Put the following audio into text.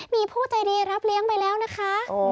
มีผู้ใจดีรับเลี้ยงไปแล้วนะคะ